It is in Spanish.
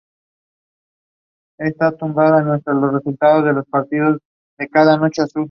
A principios de los años sesenta vivió y estudió Derecho en La Plata.